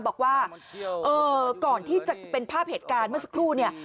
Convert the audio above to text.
บอกว่าก่อนที่จะเป็นภาพเหตุการณ์เมื่อสักครู่เนี่ย